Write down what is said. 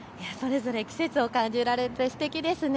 季節を感じられてすてきですね。